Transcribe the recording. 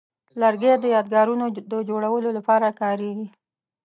لرګی د یادګارونو د جوړولو لپاره کاریږي.